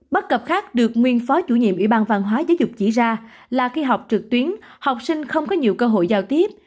bất cập khác được nguyên phó chủ nhiệm ủy ban văn hóa giáo dục chỉ ra là khi học trực tuyến học sinh không có nhiều cơ hội giao tiếp